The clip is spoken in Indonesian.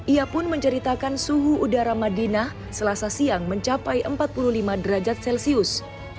ia pun menceritakan suhu udara madinah selasa siang mencapai empat puluh lima derajat celcius